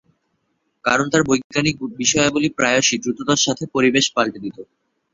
কারণ তার বৈজ্ঞানিক বিষয়াবলী প্রায়শঃই দ্রুততার সাথে পরিবেশ পাল্টে দিতো।